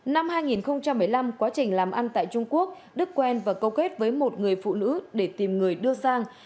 năm hai nghìn một mươi năm quá trình làm ăn tại trung quốc đức quen và câu kết với một người phụ nữ để tìm người đưa sang